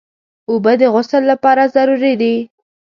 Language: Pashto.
اوبه د غسل لپاره ضروري دي.